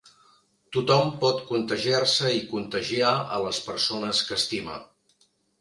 Tothom pot contagiar-se i contagiar a les persones que estima.